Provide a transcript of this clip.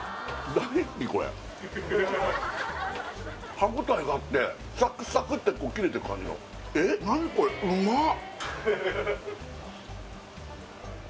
歯応えがあってサクサクってこう切れていく感じのえっ何これうまっ！